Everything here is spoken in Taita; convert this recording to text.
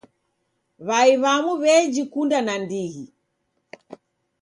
W'ai w'amu w'ejikunda nandighi.